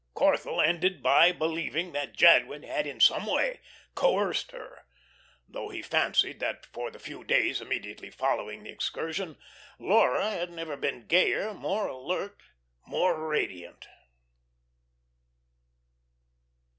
Corthell ended by believing that Jadwin had, in some way, coerced her; though he fancied that for the few days immediately following the excursion Laura had never been gayer, more alert, more radiant.